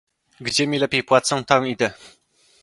"Gdzie mi lepiej płacą, tam idę."